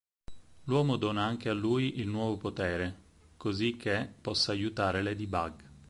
L'uomo dona anche a lui il nuovo potere, così che possa aiutare Ladybug.